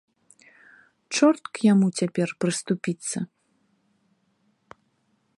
Чорт к яму цяпер прыступіцца.